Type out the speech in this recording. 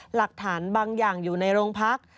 หลักฐานบางอย่างอยู่ในโรงพัก